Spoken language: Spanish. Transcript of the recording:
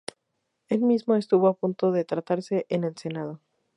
El mismo estuvo a punto de tratarse en el Senado.